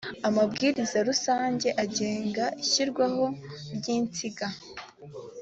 amabwiriza rusange agenga ishyirwaho ry insinga